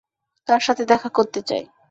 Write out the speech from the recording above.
তার সাথে দেখা করতে চাই।